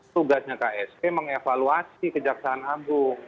tugasnya ksp mengevaluasi kejaksaan agung